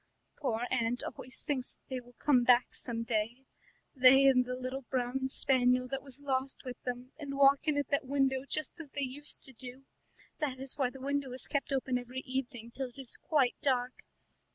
"Poor aunt always thinks that they will come back some day, they and the little brown spaniel that was lost with them, and walk in at that window just as they used to do. That is why the window is kept open every evening till it is quite dusk.